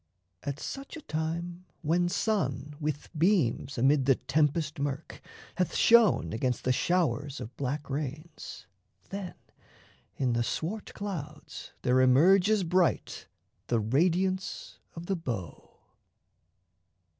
At such a time When sun with beams amid the tempest murk Hath shone against the showers of black rains, Then in the swart clouds there emerges bright The radiance of the bow.